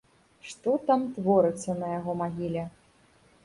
Што там творыцца на яго магіле!